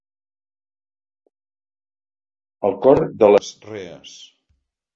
El cor de les rees.